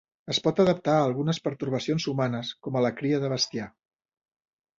Es pot adaptar a algunes pertorbacions humanes, com a la cria de bestiar.